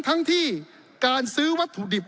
ทั้งที่การซื้อวัตถุดิบ